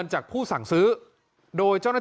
ส่งมาขอความช่วยเหลือจากเพื่อนครับ